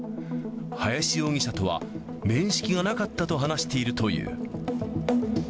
林容疑者とは面識がなかったと話しているという。